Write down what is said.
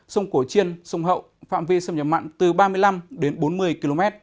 sông cổ chiên sông hậu phạm vi sâm nhập mặn từ ba mươi năm đến bốn mươi km